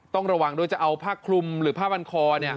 ต้องระวังด้วยจะเอาผ้าคลุมหรือผ้าพันคอ